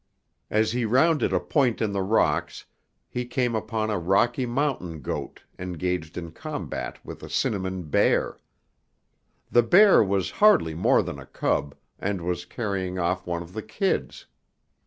As he rounded a point in the rocks, he came upon a Rocky Mountain goat engaged in combat with a cinnamon bear. The bear was hardly more than a cub, and was carrying off one of the kids.